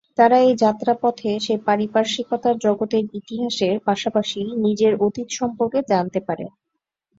তার এই যাত্রা পথে সে পারিপার্শ্বিক জগতের ইতিহাসের পাশাপাশি নিজের অতীত সম্পর্কে জানতে পারে।